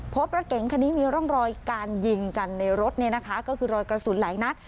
พบรถเก๋งคันนี้มีร่องรอยการยิงกันในรถเนี่ยนะคะก็คือรอยกระสุนหลายนัด